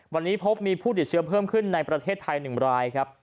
วันนี้พบมีผู้ติดเชื้อเพิ่มขึ้นในประเทศไทย๑รายครับ